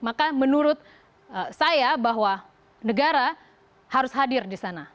maka menurut saya bahwa negara harus hadir di sana